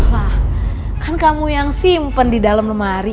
wah kan kamu yang simpen di dalam lemari